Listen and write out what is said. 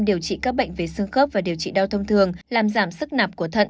điều trị các bệnh về xương khớp và điều trị đau thông thường làm giảm sức nạp của thận